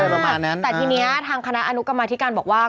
แต่ที่นี้แห้งคณะอนุกรรมธิการบอกว่า